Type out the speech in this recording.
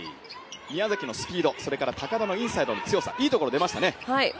宮崎のスピード、高田のインサイドの強さ、いいところ出ましたね。